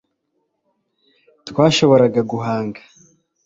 Twashoboraga guhunga